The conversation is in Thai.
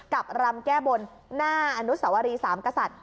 รำแก้บนหน้าอนุสวรีสามกษัตริย